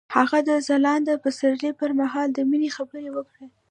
هغه د ځلانده پسرلی پر مهال د مینې خبرې وکړې.